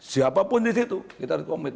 siapapun di situ kita harus komit